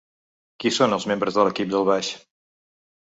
Qui són els membres de l’equip del baix?